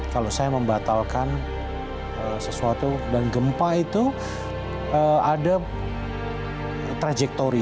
kalau saya membatalkan sesuatu dan gempa itu ada trajectory